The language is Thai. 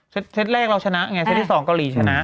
เซตแรกเราชนะไงเซตที่๒เกาหลีชนะ